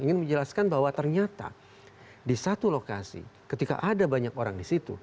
ingin menjelaskan bahwa ternyata di satu lokasi ketika ada banyak orang di situ